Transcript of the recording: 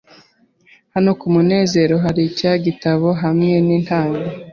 Hano kumeza hari icyayi gito hamwe nintanga.